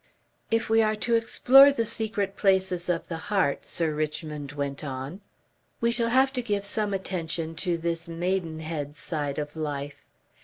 "If we are to explore the secret places of the heart," Sir Richmond went on, "we shall have to give some attention to this Maidenhead side of life.